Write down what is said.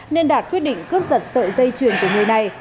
nên đạt quyết định cướp giật sợi dây chuyền của người này